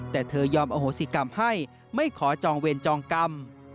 แต่เธอยอมอโหสิกรรมให้ไม่ขอจองเวรจองกรรม